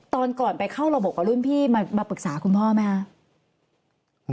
ตอนก่อนไปเข้าระบบกับรุ่นพี่มาปรึกษาคุณพ่อไหมคะ